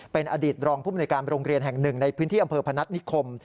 เป็นอดีตรองภูมิในการโรงเรียนแห่งหนึ่งในพื้นที่อำเภอพนัฐนิคม